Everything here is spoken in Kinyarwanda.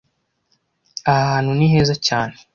Aha hantu ni heza cyane